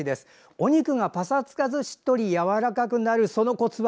お肉がパサつかずしっとりやわらかくなるそのコツは？